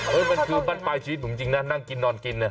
มันคือบ้านปลายชีวิตผมจริงนะนั่งกินนอนกินเนี่ย